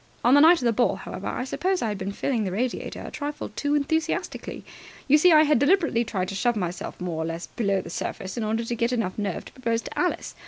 On the night of the ball, however, I suppose I had been filling the radiator a trifle too enthusiastically. You see, I had deliberately tried to shove myself more or less below the surface in order to get enough nerve to propose to Alice.